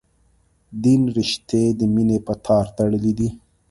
دین رشتې د مینې په تار تړلي یو.